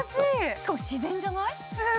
しかも自然じゃない？